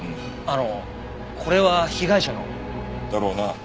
あのこれは被害者の？だろうな。